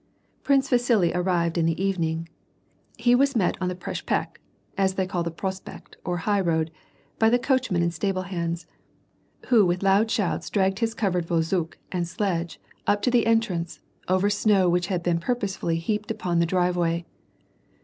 Prince Vasili arrived in the evening. He was met on the preskpekt (as they called the prospekt or high road) by the coachmen and stable hands, who with loud shouts dragged his covered vozok and sledge up to the entrance, over snow which had been purposely heaped upon the driveway.